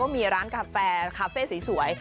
มีร้านกาแฟคาเฟ่สวย